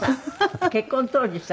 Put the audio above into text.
結婚当時さ